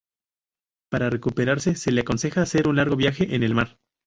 Para recuperarse, se le aconseja hacer un largo viaje en el mar.